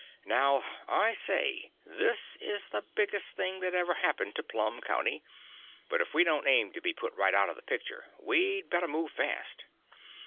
Now, I say this is the biggest thing that ever happened to Plum County but if we don't aim to be put right out of the picture, we'd better move fast."